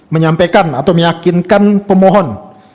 menyampaikan atau meyakinkan pemohon